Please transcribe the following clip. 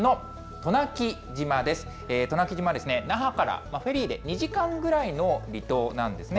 渡名喜島は那覇からフェリーで２時間ぐらいの離島なんですね。